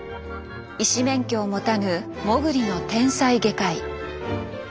医師免許を持たぬモグリの天才外科医。